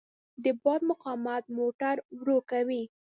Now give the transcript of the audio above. د باد مقاومت موټر ورو کوي.